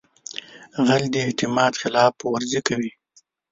غل د اعتماد خلاف ورزي کوي